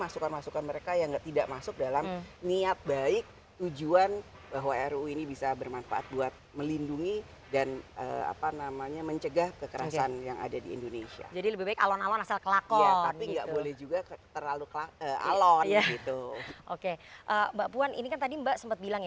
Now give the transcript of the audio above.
susah gak sih menyatukan